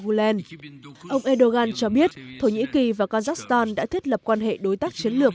hulan ông erdogan cho biết thổ nhĩ kỳ và kazakhstan đã thiết lập quan hệ đối tác chiến lược